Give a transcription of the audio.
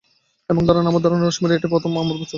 এবং আমার ধারনা রাশমোরে এটাই আপনার প্রথম বছর।